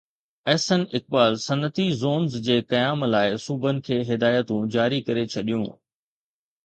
احسن اقبال صنعتي زونز جي قيام لاءِ صوبن کي هدايتون جاري ڪري ڇڏيون